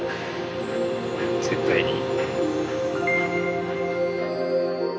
絶対に。